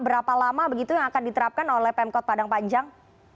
berapa lama begitu yang akan diterapkan oleh pemkot padang panjang